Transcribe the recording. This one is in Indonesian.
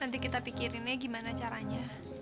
nanti kita pikirin nih gimana caranya